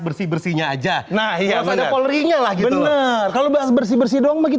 bersih bersih nya aja nah iya ada polri nya lagi bener kalau bahas bersih bersih